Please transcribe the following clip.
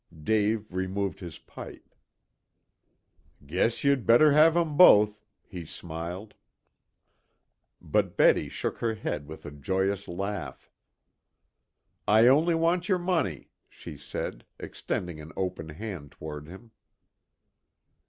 Dave removed his pipe. "Guess you'd best have 'em both," he smiled. But Betty shook her head with a joyous laugh. "I only want your money," she said, extending an open hand toward him.